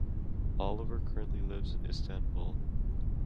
Oliver currently lives in Istanbul.